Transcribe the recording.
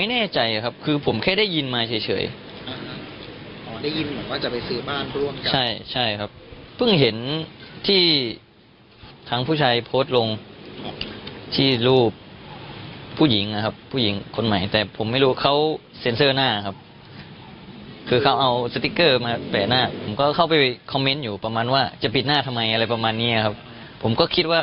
ถ้าดูตามข้อมูลเรื่องการหย่ากันเนี่ยค่ะ